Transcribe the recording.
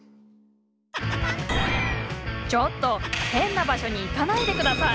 ちょっと変な場所に行かないで下さい！